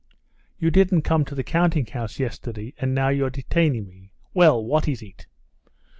"You didn't come to the counting house yesterday, and now you're detaining me. Well, what is it?"